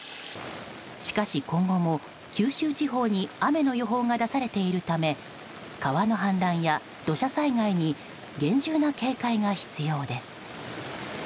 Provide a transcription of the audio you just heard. しかし今後も九州地方に雨の予報が出されているため川の氾濫や土砂災害に厳重な警戒が必要です。